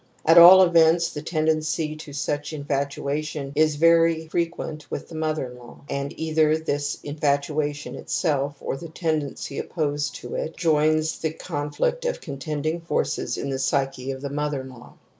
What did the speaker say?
At all events the tendency to such infatuation is very frequent with the mother in law, and either this infatuation itself or the tendency opposed to it joins the conflict of contending forces in the psyche of. the mother in law.